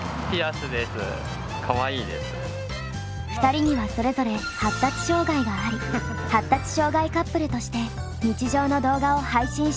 ２人にはそれぞれ発達障害があり発達障害カップルとして日常の動画を配信しています。